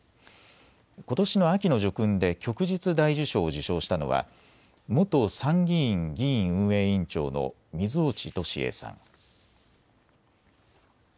ことしの秋の叙勲で旭日大綬章を受章したのは元参議院議院運営委員長の水落敏栄さん。